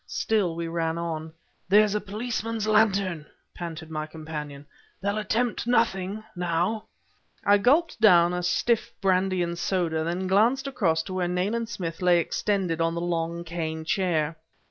Still we ran on. "There's a policeman's lantern," panted my companion. "They'll attempt nothing, now!" I gulped down the stiff brandy and soda, then glanced across to where Nayland Smith lay extended in the long, cane chair.